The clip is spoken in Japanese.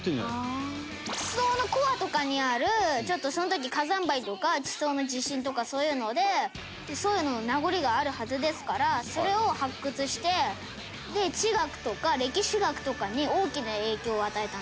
「ああー」「地層のコアとかにあるちょっとその時火山灰とか地層の地震とかそういうのでそういうのの名残があるはずですからそれを発掘して地学とか歴史学とかに大きな影響を与えたんです」